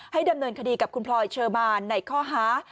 ดำเนินคดีกับคุณพลอยเชอร์มานในข้อหา